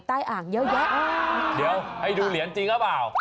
อ่างเยอะแยะเดี๋ยวให้ดูเหรียญจริงหรือเปล่า